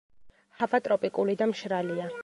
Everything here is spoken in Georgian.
ჰავა ტროპიკული და მშრალია.